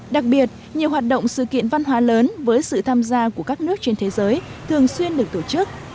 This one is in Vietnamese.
đặc biệt nhiều hoạt động sự kiện văn hóa lớn với sự tham gia của các nước trên thế giới thường xuyên được tổ chức